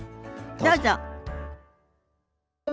どうぞ。